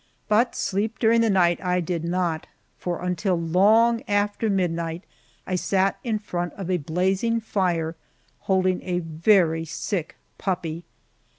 But sleep during the night I did not, for until long after midnight I sat in front of a blazing fire holding a very sick puppy.